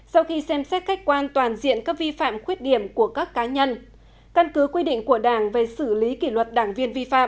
sau khi xem xét khách quan toàn diện các vi phạm khuyết điểm của các cá nhân căn cứ quy định của đảng về xử lý kỷ luật đảng viên vi phạm